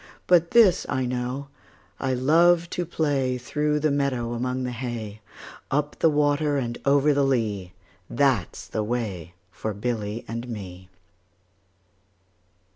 20 But this I know, I love to play Through the meadow, among the hay; Up the water and over the lea, That 's the way for Billy and me.